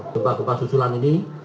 gempa gempa susulan ini